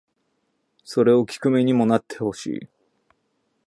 それを聴く身にもなってほしい